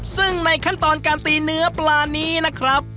ซึ่งในขั้นตอนการตีเนื้อปลานี้นะครับ